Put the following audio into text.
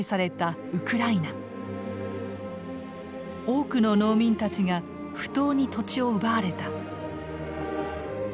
多くの農民たちが不当に土地を奪われた。